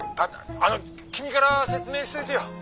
あの君から説明しといてよ。